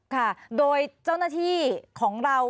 ค่ะโดยเจ้าหน้าที่ของเรา